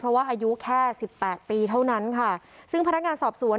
เพราะว่าอายุแค่สิบแปดปีเท่านั้นค่ะซึ่งพนักงานสอบสวน